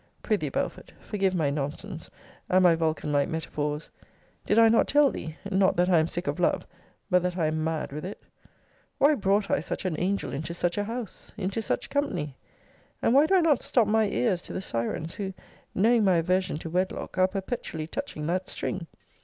Pr'ythee, Belford, forgive my nonsense, and my Vulcan like metaphors Did I not tell thee, not that I am sick of love, but that I am mad with it? Why brought I such an angel into such a house? into such company? And why do I not stop my ears to the sirens, who, knowing my aversion to wedlock, are perpetually touching that string?